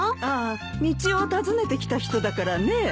あ道を尋ねてきた人だからね。